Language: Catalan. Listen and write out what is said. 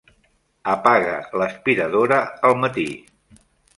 Apaga l'aspiradora al matí.